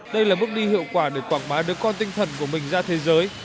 đây là bước đi hiệu quả để quảng bá đứa con tinh thần của mình ra thế giới